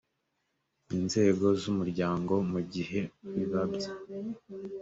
inzego z umuryango mu gihe bibabye